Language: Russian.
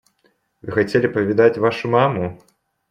Вы хотели повидать вашу маму?